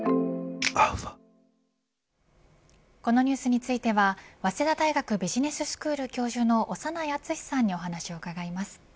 このニュースについては早稲田大学ビジネススクール教授の長内厚さんにお話を伺います。